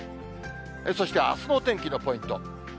そして、あすのお天気のポイント。